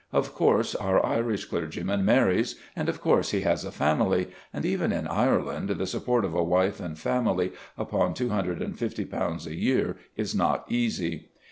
Of course our Irish clergyman marries, and of course he has a family, and, even in Ireland, the support of a wife and family upon two hundred and fifty pounds a year is not easy.